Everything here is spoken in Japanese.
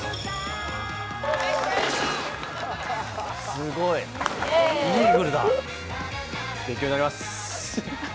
すごい、イーグルだ、勉強になります。